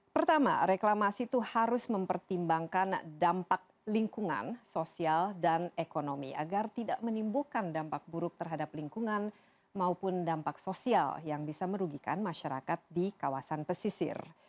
pertama reklamasi itu harus mempertimbangkan dampak lingkungan sosial dan ekonomi agar tidak menimbulkan dampak buruk terhadap lingkungan maupun dampak sosial yang bisa merugikan masyarakat di kawasan pesisir